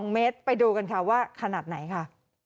๒เมตรไปดูกันค่ะว่าขนาดไหนค่ะ